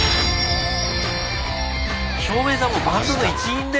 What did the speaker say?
照明さんもバンドの一員だよね。